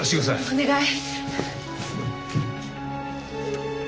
お願い！